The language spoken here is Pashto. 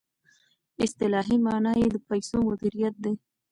اصطلاحي معنی یې د پیسو مدیریت دی.